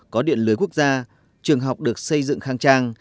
có điện lưới quốc gia trường học được xây dựng khang trang